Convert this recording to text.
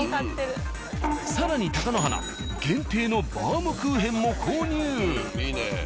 更に貴乃花限定のバームクーヘンも購入。